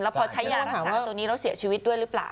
พอใช้ยารักษาตัวนี้แล้วเสียชีวิตด้วยหรือเปล่า